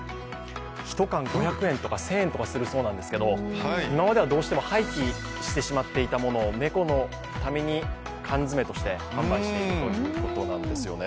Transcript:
１缶５００円とか１０００円とかするそうなんですけど、今まではどうしても廃棄してしまっていたものを猫のために缶詰として販売しているということなんですよね。